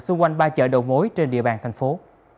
xung quanh ba chợ đầu mối trên địa bàn tp hcm